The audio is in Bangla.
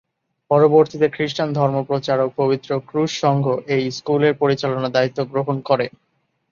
পরবর্তীতে খ্রীষ্টান ধর্মপ্রচারক পবিত্র ক্রুশ সংঘ এই স্কুলের পরিচালনার দায়িত্ব গ্রহণ করে।